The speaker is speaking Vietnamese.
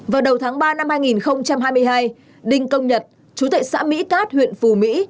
vào đầu tháng ba năm hai nghìn hai mươi hai đinh công nhật chú tệ xã mỹ cát huyện phù mỹ